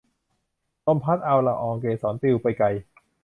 ลมพัดเอาละอองเกสรปลิวไปไกล